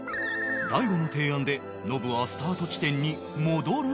大悟の提案でノブはスタート地点に戻る事に